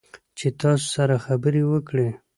چې تاسو سره خبرې وکړي